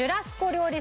料理